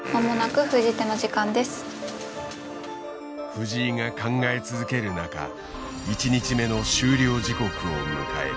藤井が考え続ける中１日目の終了時刻を迎える。